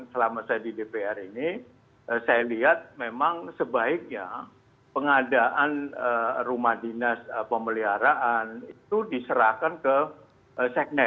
selama saya di dpr ini saya lihat memang sebaiknya pengadaan rumah dinas pemeliharaan itu diserahkan ke seknek